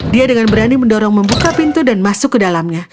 dia dengan berani mendorong membuka pintu dan masuk ke dalamnya